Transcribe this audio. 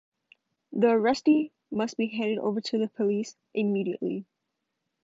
The arrestee must be handed over to the police immediately.